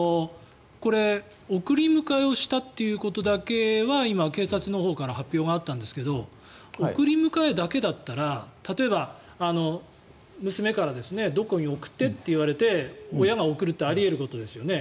これ、送り迎えをしたということだけは今、警察のほうから発表があったんですが送り迎えだけだったら例えば、娘からどこに送ってと言われて親が送るってあり得ることですよね。